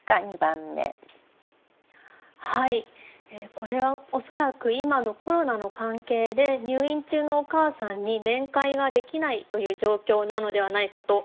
これは恐らく今のコロナの関係で入院中のお母さんに面会ができないという状況なのではないかと思いました。